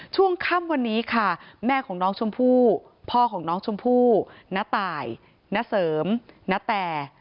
ช่วงค่ำวันนี้ค่ะแม่ของน้องชมพู่พ่อของน้องชมพู่ณตายณเสริมณแต่